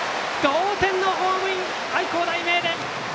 同点のホームイン愛工大名電！